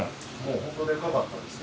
本当でかかったですよ。